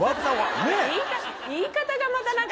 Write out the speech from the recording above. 言い方がまた何か。